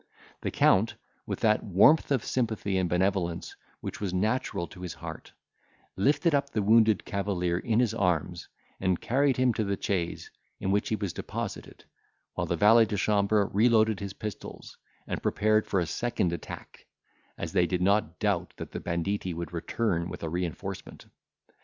The Count, with that warmth of sympathy and benevolence which was natural to his heart, lifted up the wounded cavalier in his arms, and carried him to the chaise, in which he was deposited, while the valet de chambre reloaded his pistols, and prepared for a second attack, as they did not doubt that the banditti would return with a reinforcement.